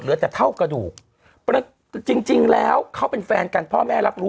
เหลือแต่เท่ากระดูกจริงจริงแล้วเขาเป็นแฟนกันพ่อแม่รับรู้